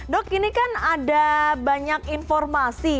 dok ini kan ada banyak informasi